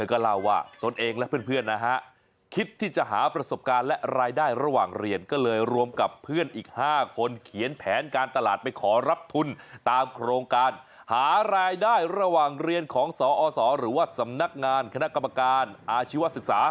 ก็เล่าว่าตนเองและเพื่อนนะฮะคิดที่จะหาประสบการณ์และรายได้ระหว่างเรียนก็เลยรวมกับเพื่อนอีก๕คนเขียนแผนการตลาดไปขอรับทุนตามโครงการหารายได้ระหว่างเรียนของสอศหรือว่าสำนักงานคณะกรรมการอาชีวศึกษา